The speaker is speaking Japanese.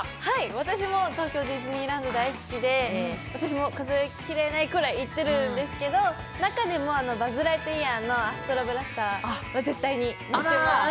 私も東京ディズニーランド大好きで私も数えきれないくらい行ってるんですけど中でもバズ・ライトイヤーのアストロブラスターは絶対に乗ってます。